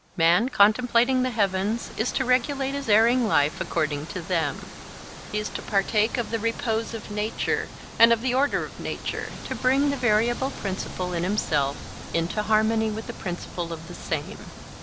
Man contemplating the heavens is to regulate his erring life according to them. He is to partake of the repose of nature and of the order of nature, to bring the variable principle in himself into harmony with the principle of the same.